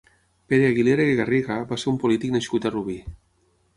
Pere Aguilera i Garriga va ser un polític nascut a Rubí.